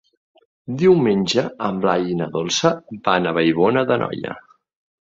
Diumenge en Blai i na Dolça van a Vallbona d'Anoia.